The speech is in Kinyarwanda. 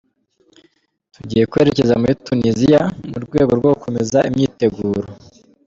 Tugiye kwerekeza muri Tunisia mu rwego rwo gukomeza imyiteguro.